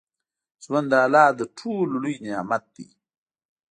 ژوند د الله تر ټولو لوى نعمت ديه.